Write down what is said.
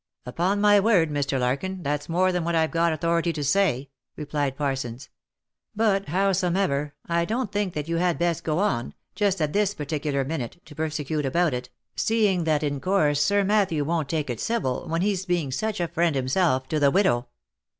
V " Upon my word, Mr. Larkin, that's more than what I've got authority to say," replied Parsons; "but, howsomever, I don't think that you had best go on, just at this particular minute, to persecute about it, seeing that in course Sir Matthew won't take it civil, when he's being such a friend himself to the widow."